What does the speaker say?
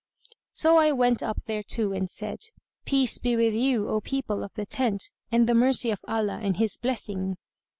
So I went up thereto and said, "Peace be with you, O people of the tent, and the mercy of Allah and His Blessing!"